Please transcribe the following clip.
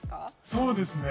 そうですね。